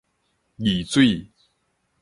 二水